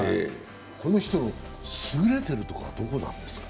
この人の優れてるとこはどこなんですか？